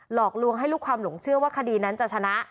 หลอกลวงให้ลูกความหลงเชื่อว่าคดีนั้นจะชนะ